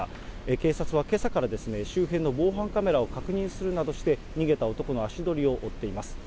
警察はけさから周辺の防犯カメラを確認するなどして、逃げた男の足取りを追っています。